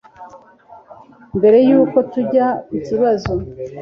mbere y'uko tujya ku kibazo